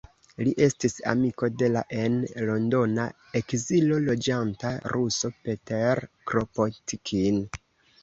Li estis amiko de la en Londona ekzilo loĝanta ruso Peter Kropotkin.